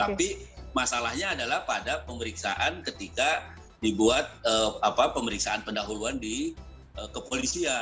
tapi masalahnya adalah pada pemeriksaan ketika dibuat pemeriksaan pendahuluan di kepolisian